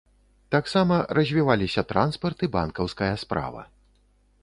Таксама развіваліся транспарт і банкаўская справа.